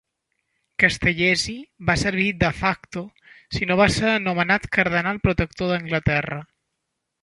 Castellesi va servir "de facto" si no va ser nomenat cardenal protector d'Anglaterra.